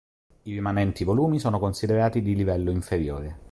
I rimanenti volumi sono considerati di livello inferiore.